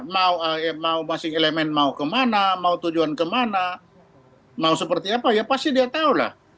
mau masing masing elemen mau kemana mau tujuan kemana mau seperti apa ya pasti dia tahu lah